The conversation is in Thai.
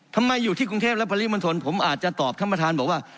ทำไมอยู่ที่กรุงเทพและพลาดิมทรผมอาจจะตอบท่านประธานบอกว่า